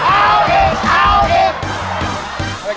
เทาผิดเทาผิด